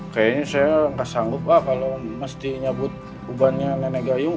kayaknya saya nggak sanggup wah kalau mesti nyabut ubannya nenek gayung